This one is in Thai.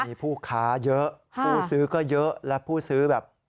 มีผู้ค้าเยอะผู้ซื้อก็เยอะและผู้ซื้อแบบ